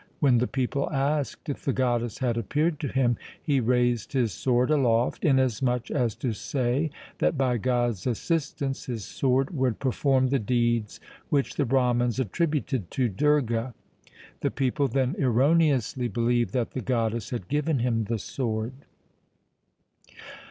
When the people asked if the goddess had appeared to him, he raised his sword aloft, inasmuch as to say that by God's assistance his sword would per form the deeds which the Brahmans attributed to Durga. The people then erroneously believed that the goddess had given him the sword.